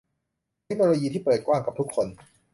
เทคโนโลยีที่เปิดกว้างกับทุกคน